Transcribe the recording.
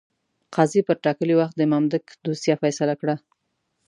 قاضي پر ټاکلي وخت د مامدک دوسیه فیصله کړه.